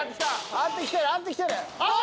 合ってきてる合ってきてる。